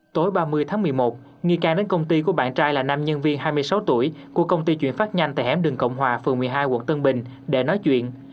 tối ba mươi tháng một mươi một nghi can đến công ty của bạn trai là nam nhân viên hai mươi sáu tuổi của công ty chuyển phát nhanh tại hẻm đường cộng hòa phường một mươi hai quận tân bình để nói chuyện